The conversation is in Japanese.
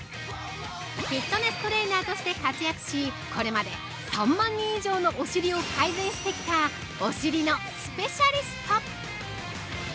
フィットネストレーナーとして活躍し、これまで３万人以上のお尻を改善してきたお尻のスペシャリスト。